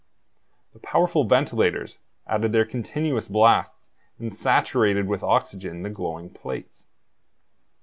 The powerful ventilators added their continuous blasts and saturated with oxygen the glowing plates.